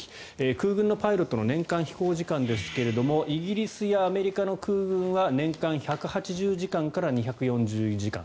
空軍のパイロットの年間飛行時間ですがイギリスやアメリカの空軍は年間１８０時間から２４０時間。